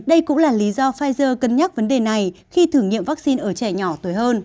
đây cũng là lý do pfizer cân nhắc vấn đề này khi thử nghiệm vaccine ở trẻ nhỏ tuổi hơn